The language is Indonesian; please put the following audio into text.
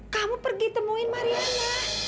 kamu pergi temuin mariana